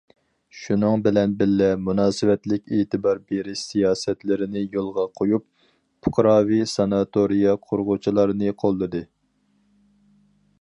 شۇنىڭ بىلەن بىللە، مۇناسىۋەتلىك ئېتىبار بېرىش سىياسەتلىرىنى يولغا قويۇپ، پۇقراۋى ساناتورىيە قۇرغۇچىلارنى قوللىدى.